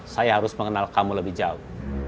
saya harus mengenal kamu lebih jauh